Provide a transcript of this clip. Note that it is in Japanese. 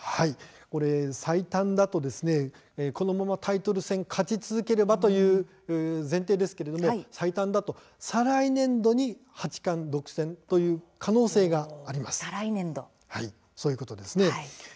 これは最短だとこのままタイトル戦、勝ち続ければという前提ですけれども最短だと再来年度に八冠を独占という可能性はあります。